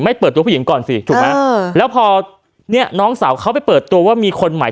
เปิดตัวผู้หญิงก่อนสิถูกไหมเออแล้วพอเนี่ยน้องสาวเขาไปเปิดตัวว่ามีคนใหม่